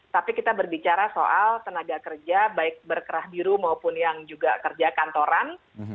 tapi kita berbicara soal tenaga kerja baik berkerah biru maupun yang juga kerja kantoran